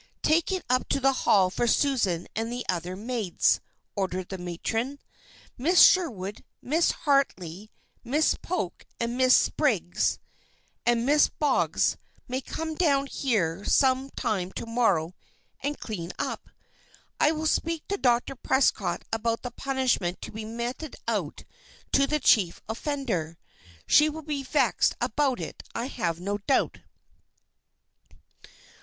"Take it up to the Hall for Susan and the other maids," ordered the matron. "Miss Sherwood, Miss Harley, Miss Polk and Miss Boggs may come down here some time to morrow and clean up. I will speak to Dr. Prescott about the punishment to be meted out to the chief offender. She will be vexed about it, I have no doubt."